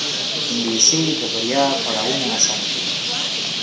انګلیسي د بریا پړاوونه اسانه کوي